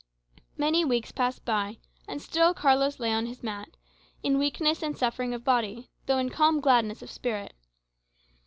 Many weeks passed by, and still Carlos lay on his mat, in weakness and suffering of body, though in calm gladness of spirit.